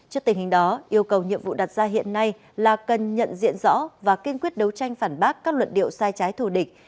trước tình hình đó yêu cầu nhiệm vụ đặt ra hiện nay là cần nhận diện rõ và kiên quyết đấu tranh phản bác các luận điệu sai trái thù địch